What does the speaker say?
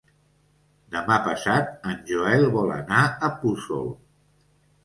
Demà passat en Joel vol anar a Puçol.